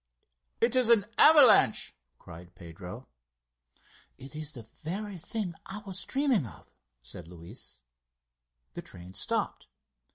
"It is an avalanche!" cried Pedro. "It is the very thing that I was dreaming of!" said Luis. The train stopped.